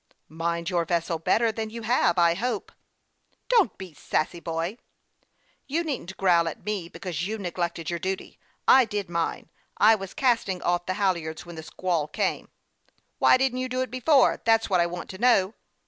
" Mind your vessel better than you have, I hope." " Don't be sassy, boy." 22 HASTE AND WASTE, OK " You needn't growl at me because you neglected your duty. I did mine. I was casting off the hal yards when the squall came." " Why didn't you do it before ? That's what I want to know."